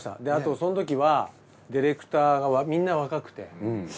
であとその時はディレクターがみんな若くて。